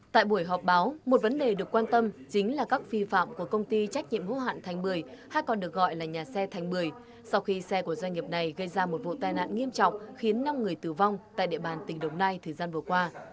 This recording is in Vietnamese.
tại buổi họp báo một vấn đề được quan tâm chính là các phi phạm của công ty trách nhiệm hữu hạn thành bưởi hay còn được gọi là nhà xe thành bưởi sau khi xe của doanh nghiệp này gây ra một vụ tai nạn nghiêm trọng khiến năm người tử vong tại địa bàn tỉnh đồng nai thời gian vừa qua